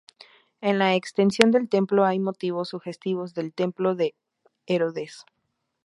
En la extensión del templo hay motivos sugestivos del templo de Herodes.